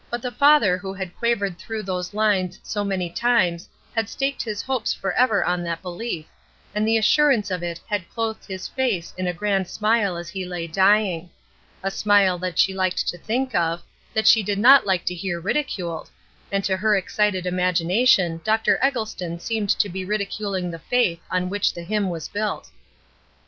But the father who had quavered through those lines so many times had staked his hopes forever on that belief, and the assurance of it had clothed his face in a grand smile as he lay dying a smile that she liked to think of, that she did not like to hear ridiculed, and to her excited imagination Dr. Eggleston seemed to be ridiculing the faith on which the hymn was built.